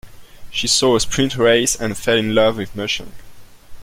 She saw a sprint race and fell in love with mushing.